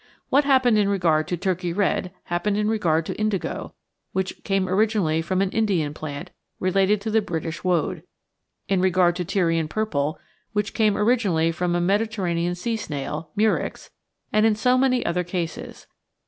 What happened in regard to "Turkey Red" happened in regard to indigo, which came originally from an Indian plant, related to the British woad; in regard to Tyrian Purple, which came originally from a Medi terranean sea snail (Murex) ; and so in many other cases.